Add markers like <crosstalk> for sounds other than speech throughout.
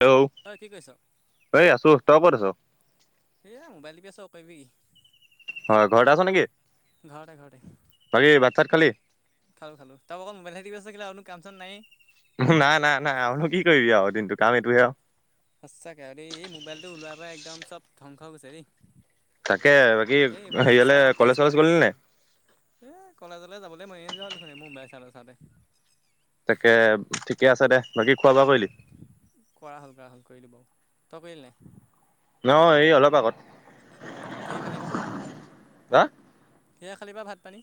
Hello ঐ কি কৰিছ? এই আছো তই ক'ত আছ? এ মোবাইল টিবি আছো আও কৰিবি কি। হয় ঘৰতে আছ নেকি, কি ঘৰতে বাকী ভাত চাত খালী। খালো খালো, তই অকল মোবাইলহে টিপি আছ একোটো কাম চাম নাইয়ে। নাই নাই নাই আৰুনো কি কৰিবি আৰু দিনটো কাম এইটোহে আৱ। সঁচাকে আৱ দে এই মোবাইলটো ওলোৱাৰ পৰা একদম চব ধ্বংস হৈ গৈছে দেই। তাকে বাকী এই এইবোৰ হেৰি হ'লে ইনষ্টাগ্ৰাম কলেজ ফেচবুক কলেজ গ'লি নে নাই। এ কলেজলৈ যাবলৈ মনে নোযোৱা হল দেখুন মোবাইল চাওঁতে চাওঁতে। তাকে ঠিকে আছে দে, বাকী খোৱা বোৱা কইলি? খোৰা হ'ল কৰা হ'ল কৰিলোঁ বাৰু, তই কৰিলি নাই? অ এই অলপ আগত। কিহে খালিবা, হা কিহেৰে খালিবা ভাত-পানী?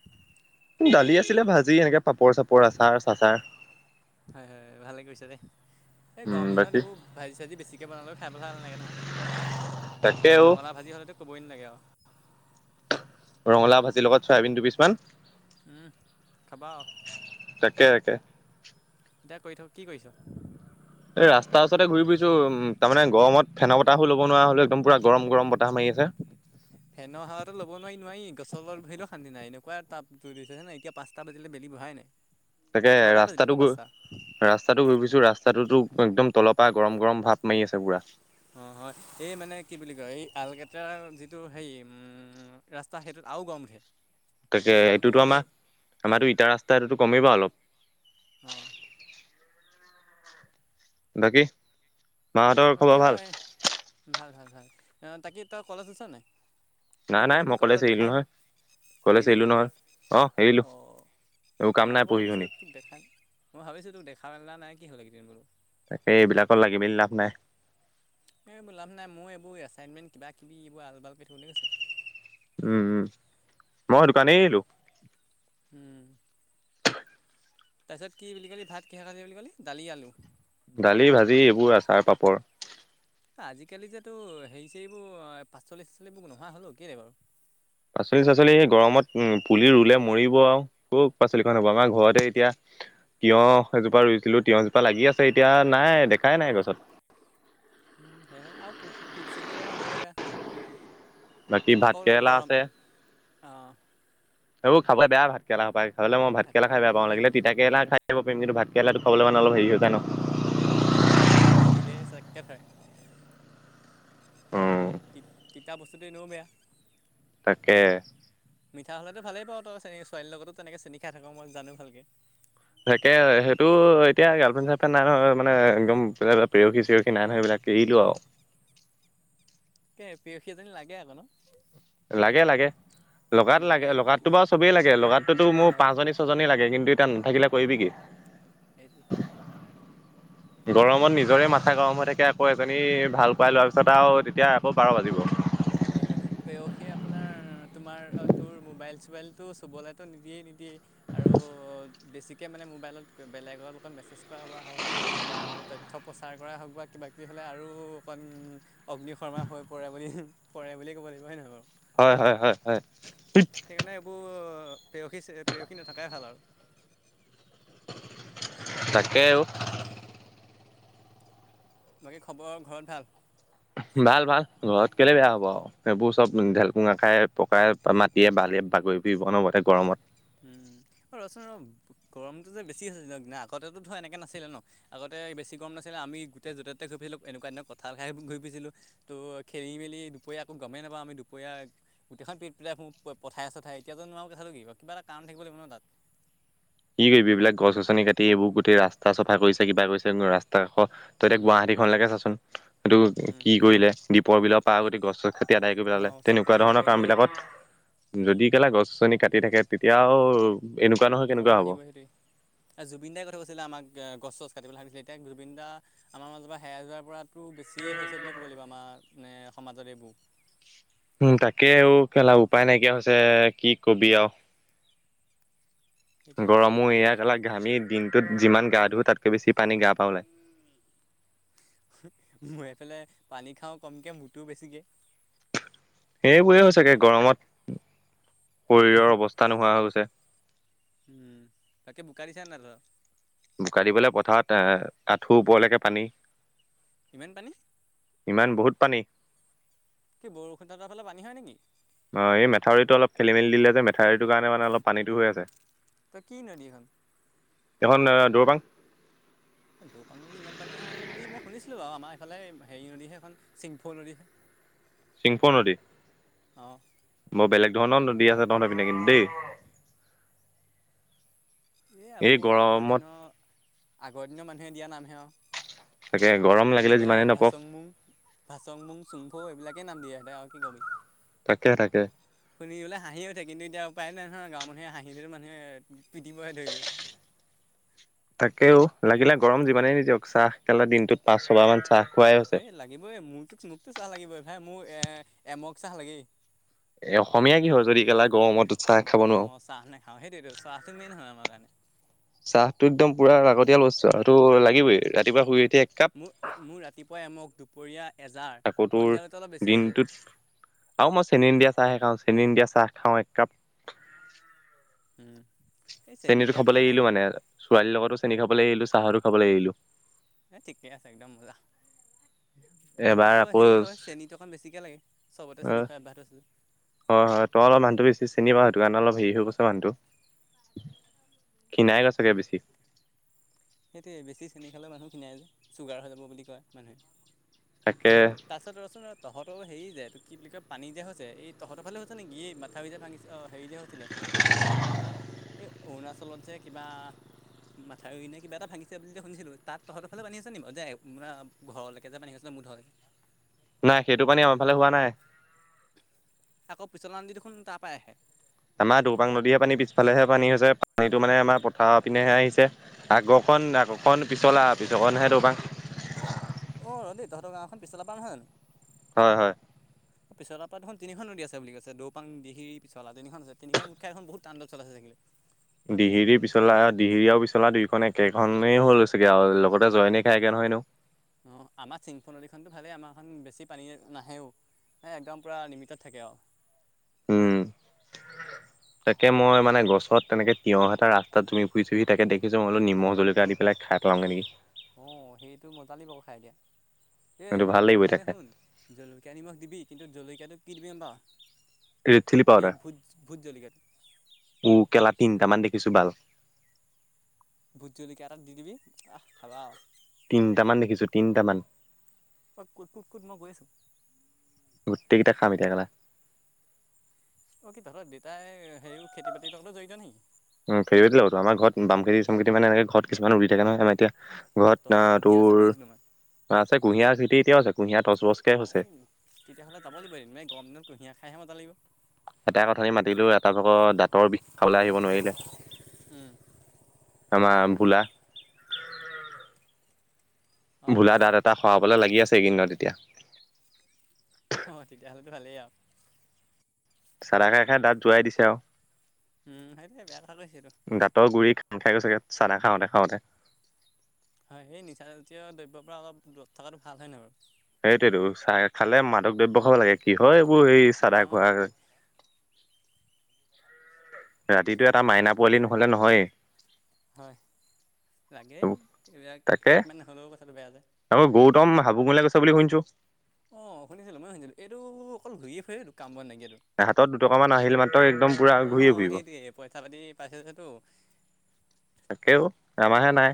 দালি আছিলে ভাজি এনেকে পাপৰ চাপৰ আচাৰ-চাচাৰ। হয় হয় ভালে কৰিছা দে, এই উম গৰম দিনত বাকী এইবোৰ ভাজি চাজি বেছিকৈ বনালেও খাই ভাল নালাগে নহয়, তাকে অ ৰঙালাও ভাজি হ'লেতো ক'বই নালাগে আৱ ৰঙালাও ভাজিৰ লগত চোৱাবিন দুপিছমান উম খাবা আৱ তাকে তাকে এতিয়া কৰি থ কি কইছ এই ৰাস্তাৰ ওচতে ঘূৰি ফুৰিছো তাৰমানে গৰমত ফেন বতাহো ল'বনোৱাৰা হ'লোঁ একদম পূৰা গৰম গৰম বতাহ মাৰি আছে ফেনৰ সাৱাটো ল'ব নোৱাই নোৱাই গছৰ তলত বহিলেও শান্তি নাই এনেকুৱা তাপটো দিছে দেখিছা নাই এতিয়া পাঁচটা বাজিলে বেলি বহাই নাই <unintelligible> তাকে ছটাই বাজিলে আকৌ ৰাস্তাটো গৈ পাঁচটা ৰাস্তাটো ভাবিছোঁ ৰাস্তাটোতো একদম তলৰ পৰা গৰম গৰম ভাপ মাৰি আছে পুৰা। অ' হয় এই মানে কি বুলি কয় এই আলকেটাৰ যিটো হেৰি উম ৰাস্তা সেইটোত আও গৰম উঠে। <inaudible> তাকে এইটোতো আমা কমেই আমাৰতো ইটা ৰাস্তা এইটোটো গ'মেই পাওঁ অলপ। অ বাকী মাহঁতৰ বাকী খবৰ আও ভাল? এ ভাল ভাল ভাল তাকী তৰ কলেজ আছে নাই নাই তোক নাই বহুত মই দিন কলেজ কলেজত এৰিলো দেখাই নাই নহয় কলেজ একেইদিন এৰিলো নহয়। অ এৰিলো অঁ এইবোৰ কাম মই নাই আকৌ পঢ়ি ভাবিছোঁ শুনি তোক দেখা মই ভাবিছো তোক দেখা-মেলা নাই কি'হল এইকেদিন বোলোঁ তাকে এইবিলাকত লাগি মেলি লাভ নাই এই এইবোৰ লাভ নাই মোৰ এইবোৰ এছাইনমেণ্ট কিবা কিবি এইবোৰ আল বাল কৈ থাকোঁতে গৈছে উম উম মই দোকানে এৰিলো উম তাৰপিছত কি বুলি ক'লি ভাত কিহে খালি বুলি কলি দালি, আলু দালি, ভাজি, এইবোৰ আচাৰ, পাপৰ আজিকালি যে তো হেৰি- চেৰিবোৰ আঁ পাচলি-চাচলিবোৰ নোহোৱা হ'ল অও কেলেই বাৰু? পাচলি-চাচলি হে গৰমত উম পুলি ৰুলে মৰিব আও ক'ত পাচলিখন হ'ব। আমাৰ ঘৰতে এতিয়া তিঁয়হ এজোপা ৰুইছিলোঁ। তিঁয়হজোপা লাগি আছে এতিয়া। নাই, দেখাই নাই গছত। উম, সেয়েহে আৰু পোক্, পোক-চোকো লাগে সেইটো বেয়া। বাকী ভাত আকৌ ৰ' কেৰেলা গৰম আছে অঁ। এইবোৰ খাবলে বেয়া ভাতকেৰেলা সোপা। খাবলে মই ভাতকেৰেলা খাই ভাতকেৰেলাডাল বয়া বহুত পাওঁ বেয়া লাগিলে মই তিতা কেৰেলা খা বলে পাৰিম কিন্তু ভাতকেৰেলাটো খাবলেমানে অলপ হেৰি হৈ যায় ন'? উম, সেইডাল মুখত দিলেই চককে ধৰে। উম তিতা বস্তুটো এনেও বেয়া। তাকে। মিঠা হ'লেটো ভালেই পাৱ তই। চে ছোৱালীৰ লগতো তেনেক চেনি খাই থাক মই জানো ভালকে। তাকে, সেইটো এতিয়া গাৰ্লফ্ৰেণ্ড- চাৰ্লফ্ৰেণ্ড নাই নহয়। মানে, একদম পে পেয়সী-চেয়সী নাই নহয় এইবিলাক এৰিলোঁ আও। তাকে প্ৰেয়সী এজনী লাগে আক' ন '? লাগে, লাগে। লগাত লাগে এইবোৰ কি লগাতো বাৰু চবেই লাগে। লগাতটোতো মোৰ হয় পাঁচজনী, ছ ছজনী লাগে কিন্তু এতিয়া নাথাকিলে কৰিবি কি? সেইটোৱে। গৰমত নিজৰে মাথা গৰম হৈ থাকে। আকৌ এজনী ভাল পাই লোৱাৰ পিছত আৰু তেতিয়া আকৌ বাৰ বাজিব। হয়, হয়। প্ৰেয়সী আপোনাৰ, তোমাৰ, অ তোৰ মোবাইল-চোবাইল- টো চুবলেটো নিদিয়ে নিদিয়েই আৰু বেছিকে মানে মোবাইলত বেলেগৰ লগত মেছেজ কৰা বা হওক বা মানে তথ্য প্ৰচাৰ কৰাই হওক বা কিবা-কিবি হ'লে আৰু অকণ অগ্নি শৰ্মা হৈ পৰে বুলি হোঁহ্, পৰে বুলিয়ে ক'ব লাগিব। হয় নহয় বাৰু? হয়, হয় হয় হয়। সেইকাৰণে এইবোৰ প্ৰেয়সী চে প্ৰেয়সী নথকাই ভাল আৰু। তাকে অ'। বাকী খবৰ ঘৰত ভাল? ভাল, ভাল। ঘৰত কেলে বেয়া হ'ব আও। সেইবোৰ চব ঢেলকুঙা খাই পকাই, মাটিয়ে, বালিয়ে বাগৰি ফুৰিব অনবৰতে গৰমত। উম, অ ৰ' চোন ৰ'! গৰমটো যে বেছি হৈছে দিনক দিনে পাৰা আগতেটো ধৰ এনেকে নাছিলে ন'? আগতে বেছি গৰম নাছিলে। আমি গোটেই য'তে-ত'তে ঘুৰি ফুছিলো এনেকুৱা দিনত কঁঠাল খাইহে ঘুৰি ফুৰিছিলোঁ। ত' খেলি-মেলি দুপৰীয়া একো গমেই নাপাওঁ। আমি দুপৰীয়া গোটেইখন পিট -পিটাই ফুৰোঁ। পথায়ে- চথায়ে এতিয়াতো নোৱাৰ কথাটো কি ক'? কিবা এটা কাৰণ থাকিব লাগিব ন' তাত। কি কৰিবি এইবিলাক গছ-গছনি কাটি এইবোৰ গোটেই ৰাস্তা চফা কৰিছে, কিবা কৰিছে ৰাস্ স্তা আকৌ তই এতিয়া উম, গুৱাহাটীখনলৈকে চাচোন। এইটো উম, কি কৰিলে? দ্বীপৰ বিলৰ পাৰ যদি গছ-ছচ কাটি কাটি আদাই কৰি পেলালে। অ' চব তেনেকুৱা কাটি আদায় ধৰণৰ কাম কৰিলে বিলাকত যদি কেলা গছ-গছনি কাটি থাকে তেতিয়া আৰু এনেকুৱা ন' গৰম বাঢ়িব সেইটোৱে। এ জুবিন দাই কৈ থৈ গৈছিলে আমাক গে গছ- চছ কাটিব হাৰি কৰিছিলে। এতিয়া জুবিন দা আমাৰ মাজৰ পৰা হেৰাই যোৱাৱাৰ পৰা টো বেছিয়ে হৈছে বুলি ক'ব লাগিব। আমাৰ মানে, সমাজত এইবোৰ। উম, তাকে অও কেলা উপায় নাইকিয়া হৈছে। কি কবি আও। সেইটোৱে আৰু কি গৰমো কবি। এয়া কেলা ঘামি দিনটোত যিমান গা ধু তাতকে বেছি পানী গাৰ পৰা ওলাই। হুঁহ্, মই এইফালে পানী খাওঁ কমকে মূটো বেছিকে। সেইবোৰহে হৈছেগে গৰমত, শৰীৰৰ অৱস্থা নোহোৱা হৈ গৈছে। উম, তাকে বোকা দিছা নে নাই তহঁত? বোকা দিবলৈ পথাৰত এ আঠুৰ ওপৰলৈকে পানী। <unintelligible> ইমান পানী? <unintelligible> ইমান বহুত পানী। <inaudible> কি বৰষুণ <inaudible> ফালে পানী হয় নেকি? অঁ! এই মেথাউৰিটো অলপ খেলি-মেলি দিলে যে মেঠাউৰিটোৰ কাৰনে মানে অলপ পানীটো হৈ আছে। <unintelligible> ত কি নদী হয়? <inaudible> এখন দৈবাং। <inaudible> দৈবাং নদীত ইমান পানী হয় বুলি মই শুনিছিলো আৰু আমাৰ এইফাল হেৰি নদী হে এইখন চিংফু নদী। <inaudible> <inaudible> চিংফো নদী। বৰ বেলেগ ধৰণৰ নদী আছে তহঁতৰ পিনে কিন্তু দেই। <inaudible> এ এই এইবোৰ আগৰ গৰমত দিনৰ, আগৰ দিনৰ মানুহে দিয়া নামহে আৰু। তাকে গৰম <inaudible> লাগিলে এনেকুৱাই যিমানেই আৰু নপক ভাচং মুং, ভাচং মুং, চিংফো এইবিলাকে নাম দিয়ে সিহঁতে আৰু কি কবি <inaudible> তাকে-তাকে। <inaudible> শুনিবলৈ হাঁহি উঠে কিন্ত এতিয়া উপায় নহয় গাঁৱৰ মানুহে হাঁহিলেও মানুহে <inaudible> দিবহে ধৰি লৈ। <inaudible> তাকেও লাগিলে গৰম যিমানেই নিদিয়ক চাহ কেলা দিনটোত পাঁচ-ছবাৰ মান চাহ খোৱাই হৈছে। এই <inaudible> লাগিবই মোৰটোক মোকতো চাহ লাগিবই ভাই মোৰ এ এমোগ চাহ লাগেই। <inaudible> এ অসমীয়া কিহৰ যদি কেলা গৰমত‌ও চাহ খাব নোৱাৰো। <inaudible> অঁ চাহ নেখাওহেই দিনটোত চাহটো মেইন হয় আমাৰ কাৰণে। <inaudible> চাহটো একদম পুৰা লাগতিয়াল বস্তু আৰু চাহটো লাগিবই ৰাতিপুৱা শুই উঠি এক কাপ। <inaudible> মোৰ-মোৰ ৰাতিপুৱাই এমগ, দুপৰীয়া এজাৰ, আকৌ তোৰ সন্ধিয়ালৈতো অলপ বেছি এ হৈ দিনটোত যায়। <inaudible> আৰু মই চেনি নিদিয়া চাহে খাওঁ। চেনি নিদিয়া চাহ খাওঁ একাপ। <inaudible> উম! <unintelligible> চেনি চেনিতো দিয়াটো খাবলৈ এৰিলো মানে। ছোৱালীৰ লগতো চেনি খাবলৈ এৰিলো, চাহতো খাবলৈ এৰিলো। <unintelligible> এই ঠিকে আছে একদম মজা। <inaudible> মোৰ এবাৰ আকৌ হেৰি অ', হয় চেনিটো অকণ বেছিকৈ লাগে চবতে চেনি খোৱা অভ্যাসতো আছে যে। <unintelligible> হয়-হয়, তই অলপ মানুহটো বেছি চেনি খোৱা সেইটো কাৰণে অলপ হেৰি হৈ গৈছ মানুহটো। <inaudible> ক্ষিনাই গৈচাগে বেছি। <unintelligible> সেইটোৱে বেছি চেনি খালে মানুহ খিনাই চুগাৰ হৈ যাব বুলি কয় মানুহে। <inaudible> তাকে <unintelligible> পাছত ৰহ চোন ৰহ তহঁতৰ হেৰি যে এইটো কি বুলি কয় পানী যে হৈছে এই তহঁতৰ ফালে হৈছে নেকি এই মাথাউৰি যে ভাঙিছে? <inaudible> অঁ! হেৰি যে হৈছিলে এই <inaudible> অৰুণাচলত যে কিবা মাথাউৰি নে <unintelligible> কিবা এটা ভাঙিছে বুলি যে শুনিছিলো তাত তহঁতৰ ফালে পানী আছে নি বাৰু যে আ ঘৰলৈকে যে পানী গৈছিলে মুধলৈকে? <inaudible> নাই সেইটো পানী আমাৰ ফালে হোৱা নাই। <inaudible> আকৌ পিছলা <unintelligible> দেখোন তাৰ পাই আহে। আমাৰ দৌপাং নদীহে পানী পিছফালেহে পানী হৈছে। পানীটো মানে আমাৰ পথাৰৰ পিনেহে আহিছে। <inaudible> আগৰখন-আগৰখন অঁ পিছলা পিছৰখনহে দৌবাং। <unintelligible> অ <unintelligible> দেই তহঁতৰ গাঁওখন পিছলা পৰা নহয় যানো? <inaudible> হয়-হয়। <unintelligible> <inaudible> পিছলা পৰা দেখোন তিনিখন নদী আছে বুলি কৈছে দৌপাং, দিহিং, পিছলা তিনিখন আছে। তিনিখন মিল খাই এইখন বহুত তাণ্ডপ চলাইছে চাগে। <inaudible> দিহিৰি পিছলা দিহিৰি আৰু পিছলা দুইখন একেখনেই হল হৈছেগে আৰু লগতে জইনী খাইগে নহয় নো <inaudible> অঁ! আমাৰ চিংফু নদীখনতো ভালেই আমাৰখন বেছি পানী নাহেও। <inaudible> এ একদম পুৰা লিমিটেড থাকে আৰু। <unintelligible> উম তাকে মই মানে গছত তেনেক তিয়ঁহ এটা ৰাস্তাত তুমি ফুৰিছোহি তাকে দেখিছো মইল নিমখ জলকীয়া দি পেলাই খাই। লংগে নেকি। অহ সেইটো মজা লাগিব খাই দিয়া এই কিন্তু ভাল নিমখ লাগিব এতিয়া মানে খাই শুন। জলকীয়া নিমখ দিবি কিন্তু জলকীয়াটো কি দিবি বা। ৰেড চিলি পাউদাৰ জলকীয়াটো উম কেলা তিনিটামান দেখিছোঁ ভাল। ভোট জলকীয়া এটাত দি দিবি আহ খাবা আও তিনিটামান দেখিছোঁ তিনিটামান। অহ কুত কুত কুত মই গৈ আছো। গোটেইকেইটা খাম এতিয়া কেলা। অহ কি তহৰ দেউতাই হেৰিও খেতি বাতিৰ লগত জড়িত নেকি। উম ফেভট লওো আমাৰ ঘৰত বাম খেতি চম <unintelligible> খেতি মানেনেকে ঘৰত কিছুমান উৰি থাক নহয়ম এতিয়া অ তহঁতৰ ঘৰত ঘৰত কুঁহিয়াৰ আছে তোৰ বুলি শুনিছিলোঁ মই আছে কুঁহিয়াৰ খেতি এতিয়াও আছে কুঁহিয়াৰ দচবছকে অ হৈছে। তেতিয়াহ'লে যাব লাগিব এদিনমান গৰমদিনত কুঁহিয়াৰ খাইহে মজা লাগিব। এটা কথানি মাতিলো এটা ভাগৰ দাঁতৰ বিষ খাৱলে লৈ আহিব নোৱাৰিলে আমাৰ বোলা অ বোলা দাতঁ এটা সৰাবলে লাগি আছে এইকেই দিনত এতিয়া। অহ তেতিয়াহ'লেতো ভালেই আও। চাদা খাই খাই দাতঁ যোৱাই দিছে আও। উম সেইটো বেয়া কথা সেইটো। দাঁতৰ গুৰি খাই গৈ চাগে চাদা খাওঁতে খাওঁতে হয় সেই নিচা জাতীয় দ্ৰব্যৰ পৰা অলপ দূৰত থকাটো ভাল হয় নাই বাৰু। সেইটোতো চাদা খালে মাদক দ্ৰব্য খাব লাগে কি হয় এইবোৰ এই চাদা অঁ খোৱাৰ। সেইটোৱে ৰাতিটো এটা মাইনা পোৱালি নহলে নহয় হয় লাগে এইবোৰ এইবিলাক তাকে একমান নহ'লেও কথাটো বেয়া যে। আকৌ গৌতম হাবুং কলে গৈছে বুলি শুনিছো। অঁ শুনিছিলো মই শুনিছিলোঁ এইটো অকল ঘূৰিয়ে ফুৰে এইটো কাম ব নাইকীয়াটো। হাতত দুটকা মান আহিল মাত্ৰ একদম পোৰা ঘূৰি অঁ ফুৰিব। সেইটোৱে পইচা পাতি পাইছে যেতো তাকেও আমাহে নাই।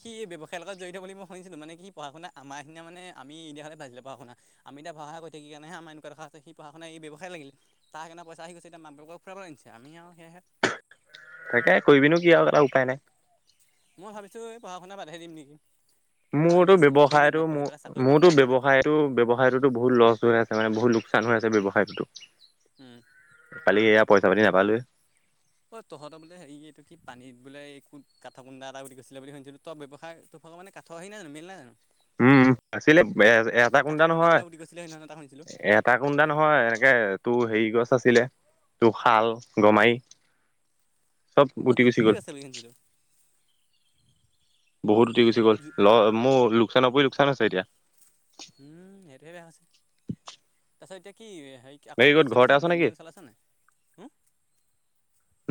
সি ব্যৱসায়ৰ লগত জড়িত মই শুনিছিলো মানে কি পঢ়া-শুনা আমাৰ সি নিয়া মানে আমি এতিয়াহে পঢ়া শুনা আম এতিয়া পঢ়া কৰি থাকি সেই কাৰণে আমাৰ এনেকুৱা দখা হৈছে সি পঢ়া শুনা ব্যৱসায় লাগিল তাৰ সেইকাৰণে পইচা আহি গৈছেএতিয়া মাক বাপেকক ফুৰাব আনিছে আমি আৰু সেয়হে। তাকে কৰিবিনো কি আও এটা উপায় নাই। মই ভাবিছো এই পঢ়া শুনা বাদেই দিম নেকি। কাৰণ মোৰতো এতিয়া পঢ়িলোঁ ব্যবসায়ত যিমান টো পঢ়ি পেলাই মোৰ চাকৰি পাম যে মোৰতো আশা নাই ব্যবসায়। টো ব্যৱসায়টোতো বহুত লছ হৈ আছে মানে বহুত লোকচান হৈ আছে মানে ব্যবসায়টো। উম কালি এয়া পইচা পাতি নাপালোৱে। অ তহঁতৰ বোলে হে এইটো কি পানীত বোলে এই কাঠ কুন্দা এটা বুলি গৈছিলে বুলি শুনিছিলো। ত ব্যৱসায় তোৰ ভাগ মানে কাঠ সেই নাইজানো মিল নাই জানো। উম আছিলে বেয়া হৈ গৈছে এটা কুণ্টা কাঠৰ কুন্দা নহয় বোলে বুলি কৈছিলে সেইদিনাখন এটা শুনিছিলোঁ এ। এটা কুন্দা নহয় এনেকে তোৰ হেৰি গছ আছিলে। তো শাল গমাৰি চব অহ উটি গুচি জুতিলী গ'ল আছে ভেকেন্সচিতো বহুত উঠি গুচি গ'ল জু ল মোৰ লোকচানৰ ওপৰি লোকচান আছে এতিয়া। উম সেইটো এটা আছে তাৰপিছত এতিয়া কি হেৰি আকৌ ক'ত কি ঘৰতে চলিছে আছ নাই নেকি মেইন চলাইছ নাই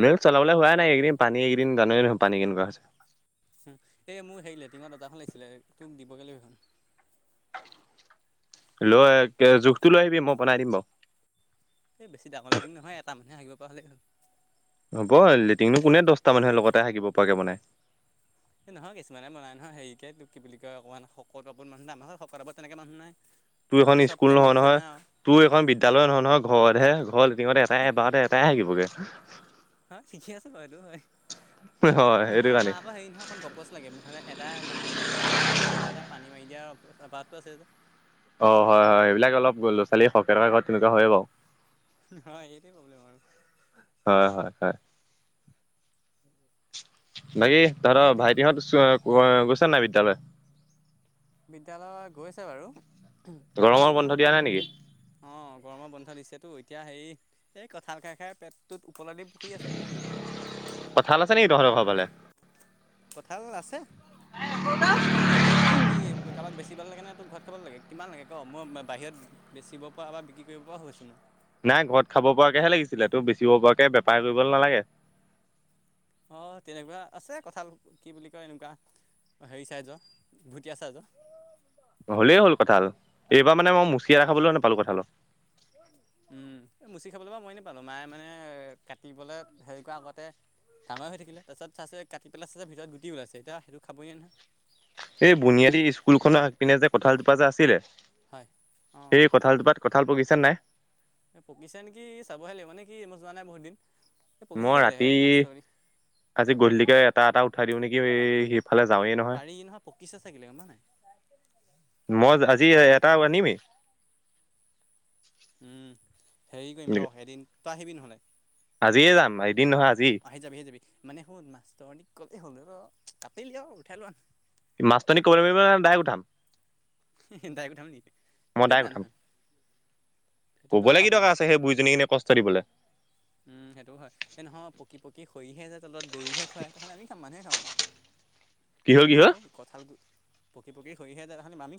মেল চলাবলৈ হোৱা নাই এইকেইদিন পানী এইকেইদিন জানই দেখোন পানী কেনেকোৱা হৈছে উম এই মোৰ সেই লেটিঙৰ দৰ্জাখন লাগিছিলে তোক দিবগে লাগিব সেইখন লৈ এ জোখটো লৈ আহিবি মই বনাই দিম বাও এই বেছি ডাঙৰ লেটিং নহয় এটা মানুহে হাগিব পৰা হলেই হল হ'ব লেট্ৰিননো কোনে দহটা মানুহে লগতে হাগিব পৰাকে বনাই এই নহয় কিছুমানে বনাই নহয় হেৰিকে তোক কি বুলি কয় অকণমান শকত আবত মানুহ নাই আমাৰ ঘৰত শকত আবত তেনেকে মানুহ নাই তোৰ আমি এখন চব স্কুল ফ্ৰেম নহয় দেখিছোঁ নহয় আৰু তোৰ এখন বিদ্যালয় নহয় নহয় ঘৰতহে ঘৰৰ লেটিংত এটাহে এবাৰতে এটাহে হাগিবগে হয় শিকি আছো বাৰু এইটো হয় হয় সেইটো নহয় কাৰণে আমাৰ আকৌ হেৰি নহয় অকণ গ প'চ লাগে নহ'লে এটা হাগি থাকিলে মানে ইফালৰ পৰা এটা পানী মাৰি দিয়াৰ স্বভাৱটো আছে যে অ হয় হয় এইবিলাক অলপ গল লৰা ছোৱালী সৰকে থকা ঘত তেনেকোৱা হয়ে বাও হয় এইটোৱে প্ৰব্লেম আৰু হয় হয় হয় বাকী তাৰপিছত তহঁতৰ ভাইটিহত চ অ গৈছে নাই বিদ্যালয় বিদ্যালয় গৈছে বাৰু তাকো গৰমৰ হেৰি বন্ধ নহয় দিয়া নাই নেকি? উম অ গৰমৰ বন্ধ দিছেতো এতিয়া হেই এই কঁঠাল খাই খাই পেটটোত ওপৰেদি শুই আছে আৰু কি কৰিব কঁঠাল আছে নেকি তহঁতৰ ঘৰৰ ফালে কঁঠাল আছে কিমান লাগে তই কি কাৰোবাক বেছিবলে লাগে ন তোৰ ঘৰত খাব লাগে কিমান লাগে ক মই বাহিৰত বেচিব পৰা বা বিক্ৰী কৰিব পৰাও হৈছো মই নাই ঘৰত খাব পৰাকেহে লাগিছিলে তোৰ বেচিব পৰাকে বেপাৰ কৰিব নালাগে অ তেনেকোৱা আছে কঁঠাল কি বুলি কয় এনেকোৱা হেৰি চাইজৰ ভুটীয়া চাইজৰ হলেই হ'ল কঁঠাল এইবাৰ মানে মই মুচিয়া খাবলৈও নাপালো কঁঠালৰ এই মুচি খাবলৈ বাও মই নেপালো মায়ে মানে কাটিবলৈ হেৰি কৰা আগতে ডাঙৰ হৈ থাকিলে তাৰপছত চাইছো কাটি পেলাই চাইছে ভিতৰত গুটি ওলাইছে এতিয়া সেইটো খাবই নোৱায় নহয় এই বুনিয়াদী স্কুল খনৰ আগপিনে যে কঁঠাল জোপা যে আছিলে হয় অঁ সেই কঁঠাল জোপাত কঁঠাল পকিছে নাই এই পকিছে নেকি চাবহে লাগিব মানে কি মই যোৱা নাই বহুত দিন এই পকিছে মই চাকিলে ৰাতি এই মাষ্টৰ আজি গধূলিকে এটা এটা উঠাই দিও নেকি এই সেইত এফালে যাৱে ন পাৰি নহয় পকিছে চাগিলে গম পোৱা নাই মই আজি এটা আনিমেই হেৰি কৰিম ৰ এদিন তই আহিবি নহ'লে আজিয়ে যাম এদিন নহয় আজি আহি যাবি আহি যাবি মানে শুন মাষ্টৰনিক কলে হ'ল ন কাপেলি উঠাই লই আন মাষ্টৰনিক কব লাগিব নে ডাইৰেক উঠাম হে হে ডাইৰেক্ট উঠাম নেকি মই সেইটো ডাইৰেক্ট বেয়া উঠাম। নহয় সেইটোতো আৰু ক'বলে ভাল কি হ'ব দৰকাৰ আছে হেই বুঢ়ীজনীক এনে কষ্ট দিবলে উম সেইটো হয় এই নহয় পকী পকী সৰিহে যায় তলত গৰুহে খুৱাই তাহে আমি খাম মানুহে খাম কি অ হ'ল কি শুন হ'ল আকৌ পকি পকি হৰিহে যায় তাহানি আমি